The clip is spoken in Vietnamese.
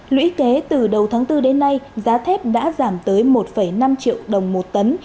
lũy kế từ đầu tháng bốn đến nay giá thép đã giảm tới một năm triệu đồng một tấn